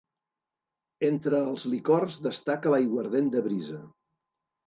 Entre els licors destaca l'aiguardent de brisa.